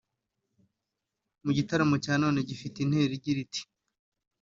Mu gitaramo cya none gifite intero igira iti